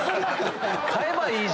買えばいい。